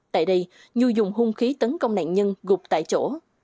tại đây nhu dùng hung khí tấn công nạn nhân gục tại chỗ